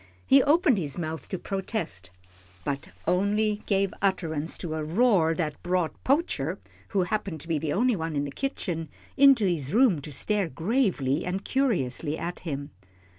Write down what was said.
He opened his mouth to protest, but only gave utterance to a low roar that brought Poacher, who happened to be the only one in the kitchen, into his room to stare gravely and curiously at him.